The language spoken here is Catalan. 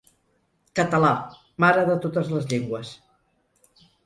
Català, mare de totes les llengües.